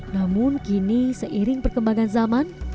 namun kini seiring perkembangan zaman